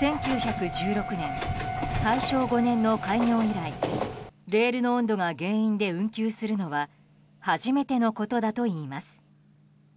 １９１６年、大正５年の開業以来レールの温度が原因で運休するのは初めてのことだといいます。